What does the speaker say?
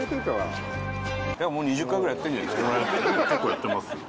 結構やってますよ。